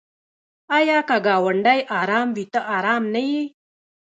آیا که ګاونډی ارام وي ته ارام نه یې؟